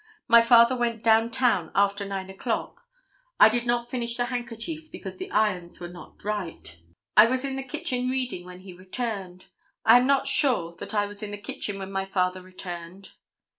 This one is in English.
My father went down town after 9 o'clock. I did not finish the handkerchiefs because the irons were not right. I was in the kitchen reading when he returned. I am not sure that I was in the kitchen when my father returned.